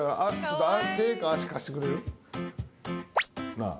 なあ。